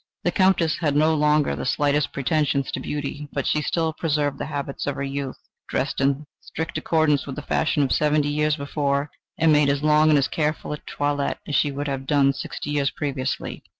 The Countess had no longer the slightest pretensions to beauty, but she still preserved the habits of her youth, dressed in strict accordance with the fashion of seventy years before, and made as long and as careful a toilette as she would have done sixty years previously.